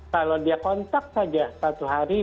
kalau dia kontak saja satu hari